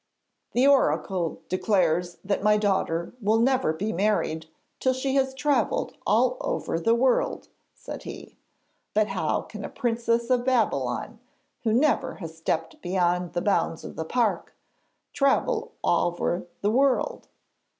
'The oracle declares that my daughter will never be married till she has travelled all over the world,' said he. 'But how can a princess of Babylon, who never has stepped beyond the bounds of the park, "travel over the world"?